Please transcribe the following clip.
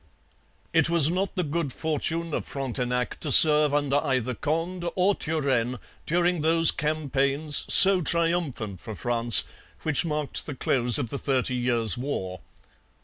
It was not the good fortune of Frontenac to serve under either Conde or Turenne during those campaigns, so triumphant for France, which marked the close of the Thirty Years' War.